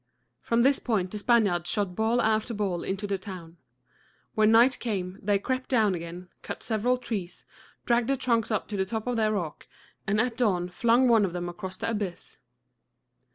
From this point the Spaniards shot ball after ball into the town. When night came on, they crept down again, cut several trees, dragged the trunks up to the top of their rock, and at dawn flung one of them across the abyss.